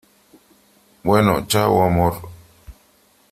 bueno . chao , amor .